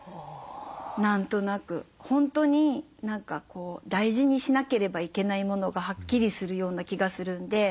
何となく本当に大事にしなければいけないものがはっきりするような気がするんで。